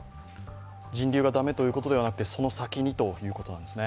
人流が駄目ということではなくて、その先にということなんですね